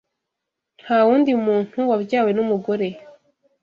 Nta wundi muntu wabyawe n’umugore